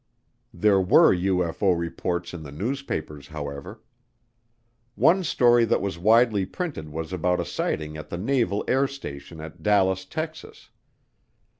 There were UFO reports in the newspapers, however. One story that was widely printed was about a sighting at the naval air station at Dallas, Texas.